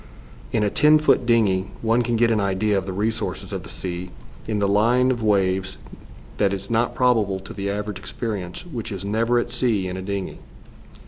In a ten foot dingey one can get an idea of the resources of the sea in the line of waves that is not probable to the average experience which is never at sea in a dingey.